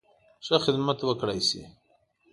ښه خدمت وکړای شي.